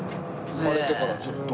生まれてからずっと。